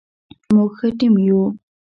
موږ ښه ټیم یو